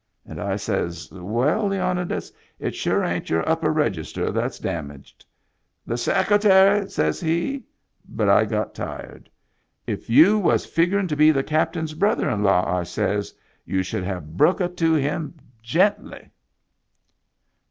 And I says, * Well, Leonidas» it sure ain't your upper register that's damaged.' *The Secretary,' says he, but I got tired. * If you was figuring to be the captain's brother in law,' I says, * you should have bruck it to him gently.'